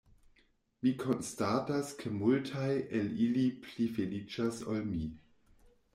Mi konstatas ke multaj el ili pli feliĉas ol mi.